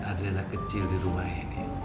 adriana kecil di rumah ini